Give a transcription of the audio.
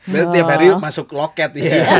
biasanya tiap hari masuk loket